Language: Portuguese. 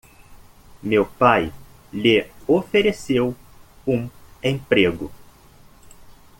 Meu pai lhe ofereceu um emprego.